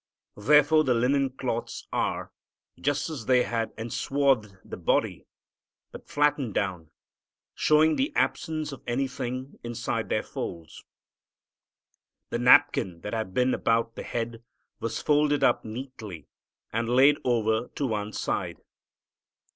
There the linen cloths are, just as they had enswathed the body, but flattened down, showing the absence of anything inside their folds. The napkin that had been about the head was folded up neatly and laid over to one side.